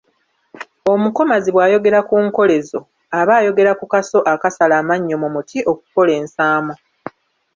Omukomazi bw’ayogera ku nkolezo aba ayogera ku kaso akasala amannyo mu muti okukola ensaamo.